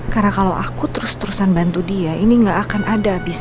karena kalau aku terus terusan bantu dia ini gak akan ada abisnya